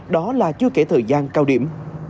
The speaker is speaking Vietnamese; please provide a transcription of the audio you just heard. đó là chưa kể thời gian cao điểm